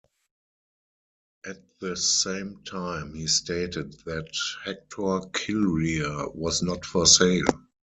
At the same time, he stated that Hector Kilrea was not for sale.